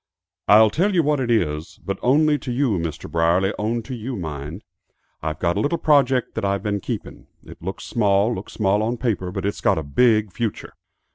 "I'll tell you what it is but only to you Mr. Brierly, only to you, mind; I've got a little project that I've been keeping. It looks small, looks small on paper, but it's got a big future.